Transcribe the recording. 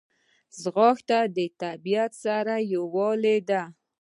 ځغاسته د طبیعت سره یووالی دی